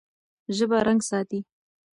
ژبه رنګ ساتي.